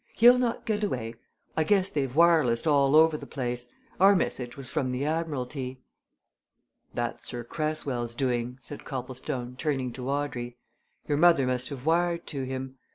"He'll not get away. I guess they've wirelessed all over the place our message was from the Admiralty!" "That's Sir Cresswell's doing," said Copplestone, turning to Audrey. "Your mother must have wired to him.